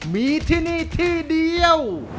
มีที่นี่ที่เดียว